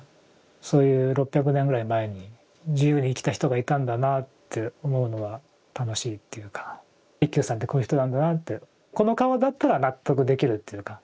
そういう６００年ぐらい前に自由に生きた人がいたんだなあって思うのは楽しいっていうか一休さんってこういう人なんだなってこの顔だったら納得できるっていうか。